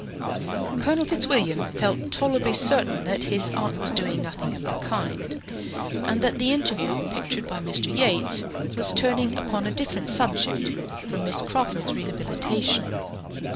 Colonel Fitzwilliam felt tolerably certain that his aunt was doing nothing of the kind, and that the interview pictured by Mr. Yates was turning upon a different subject from Miss Crawford's rehabilitation.